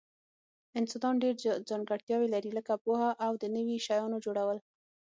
انسانان ډیر ځانګړتیاوي لري لکه پوهه او د نوي شیانو جوړول